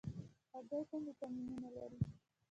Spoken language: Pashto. هګۍ کوم ویټامینونه لري؟